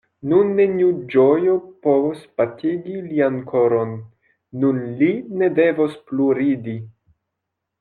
Nun neniu ĝojo povos batigi lian koron; nun li ne devos plu ridi.